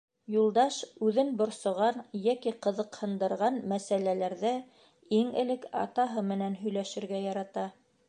Юлдаш үҙен борсоған йәки ҡыҙыҡһындырған мәсьәләләрҙә иң элек атаһы менән һөйләшергә ярата.